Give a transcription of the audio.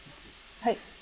はい。